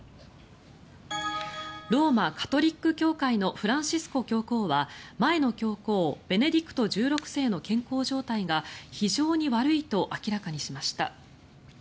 ローマ・カトリック教会のフランシスコ教皇は前の教皇ベネディクト１６世の健康状態が非常に悪いと明らかにしました。